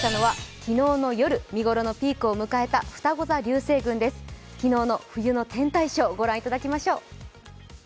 昨日の冬の天体ショーご覧いただきましょう。